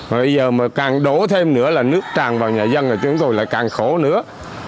và bây giờ mà càng đổ thêm nữa là nước tràn vào nhà dân thì chúng tôi lại càng khổ nữa